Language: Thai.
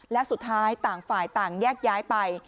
และสุดท้ายต่างฝ่ายต่างแยกย้ายไป